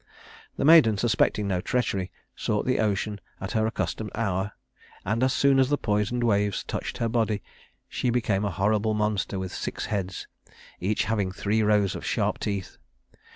The maiden, suspecting no treachery, sought the ocean at her accustomed hour, and as soon as the poisoned waves touched her body she became a horrible monster with six heads each having three rows of sharp teeth.